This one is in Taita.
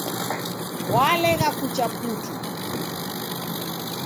Walegha kucha putu